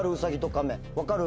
分かる？